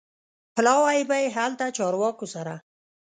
پلاوی به یې هلته چارواکو سره